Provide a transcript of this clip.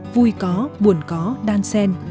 vui có buồn có đan sen